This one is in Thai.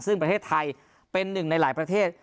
ซึ่งประเทศไทยเป็นหนึ่งในหลายประเทศ